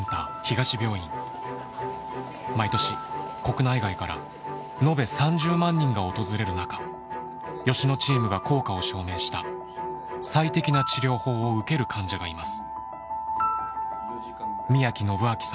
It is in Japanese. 毎年国内外から延べ３０万人が訪れるなか吉野チームが効果を証明した「最適な治療法」を受ける患者がいます。